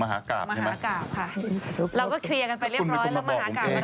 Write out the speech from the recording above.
มหากราบค่ะเราก็เคลียร์กันไปเรียบร้อย